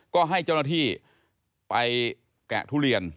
ก็ให้เจ้าหน้าที่ไปแกะทุเรียน